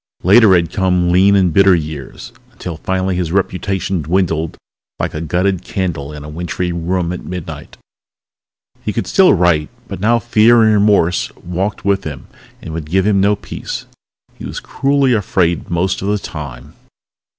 Later had come lean and bitter years until finally his reputation dwindled like a gutted candle in a wintry room at midnight. He could still write but now fear and remorse walked with him and would give him no peace. He was cruelly afraid most of the time.